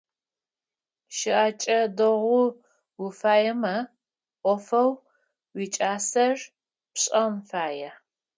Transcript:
Щыӏэкӏэ дэгъу уфаемэ, ӏофэу уикӏасэр пшэн фае.